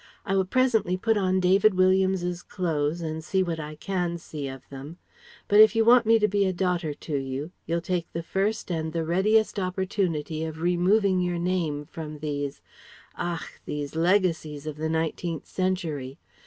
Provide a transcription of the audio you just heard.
I will presently put on David Williams's clothes and see what I can see of them. But if you want me to be a daughter to you, you'll take the first and the readiest opportunity of removing your name from these ach! these legacies of the Nineteenth century.